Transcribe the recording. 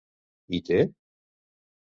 I té.?